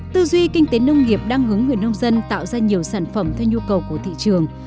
tư duy kinh tế nông nghiệp đang hướng người nông dân tạo ra nhiều sản phẩm theo nhu cầu của thị trường